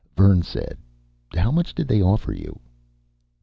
Vern said: "How much did they offer you?"